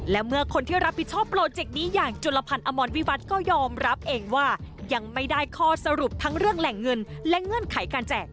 และเมื่อคนที่รับผิดชอบโปรเจกต์นี้อย่างจุลพันธ์อมรวิวัตรก็ยอมรับเองว่ายังไม่ได้ข้อสรุปทั้งเรื่องแหล่งเงินและเงื่อนไขการแจก